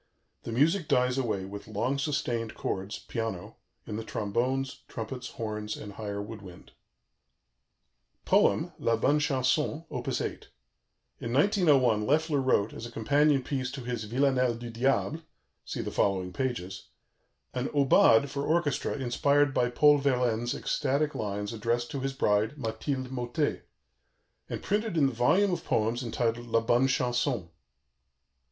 The music dies away with long sustained chords, piano, in the trombones, trumpets, horns, and higher wood wind. "POEM" ["LA BONNE CHANSON"]: Op. 8 In 1901 Loeffler wrote, as a companion piece to his Villanelle du Diable (see the following pages), an "aubade" for orchestra inspired by Paul Verlaine's ecstatic lines addressed to his bride, Mathilde Mauté, and printed in the volume of poems entitled La Bonne Chanson.